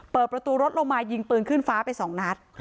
เปิดประตูรถลงมายิงปืนขึ้นฟ้าไป๒นัด